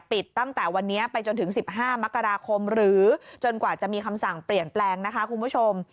ตั้งแต่วันนี้ไปจนถึง๑๕มกราคมหรือจนกว่าจะมีคำสั่งเปลี่ยนแปลงนะคะคุณผู้ชม